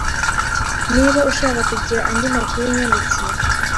Niba ushaka kugira andi makuru, nyandikira.